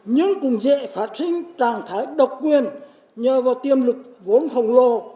nhưng cũng dễ phát sinh trạng thái độc quyền nhờ vào tiềm lực vốn khổng lồ